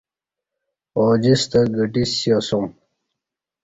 اوجستہ گھٹی سیاسوم